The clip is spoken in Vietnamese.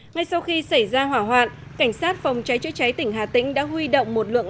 ngay sau khi xảy ra hỏa hoạn cảnh sát phòng cháy chữa cháy tỉnh hà tĩnh đã huy động một lượng